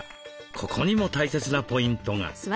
ここにも大切なポイントが。